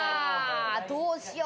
どうしよう。